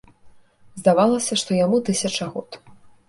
Здавалася, што яму тысяча год.